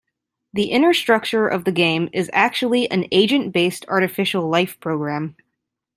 The inner structure of the game is actually an agent-based artificial life program.